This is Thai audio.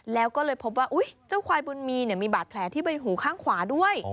แล้วก็เลยพบว่าอุ๊ยเจ้าควายบุญมีเนี่ยมีบาดแผลที่เป็นหูข้างขวาด้วย